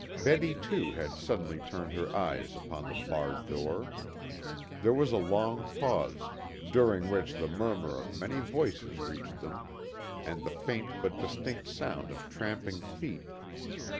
Betty too had suddenly turned her eyes upon the barred door. There was a long pause, during which the murmur of many voices reached them, and the faint but distinct sound of tramping feet.